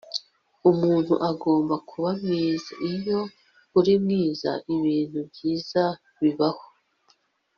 umuntu agomba kuba mwiza. iyo uri mwiza, ibintu byiza bibaho